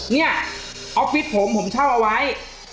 เนี่ยออฟฟิศผมเข้าเอาไว้